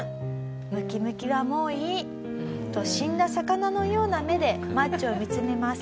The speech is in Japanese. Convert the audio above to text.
ムキムキはもういいと死んだ魚のような目でマッチョを見つめます。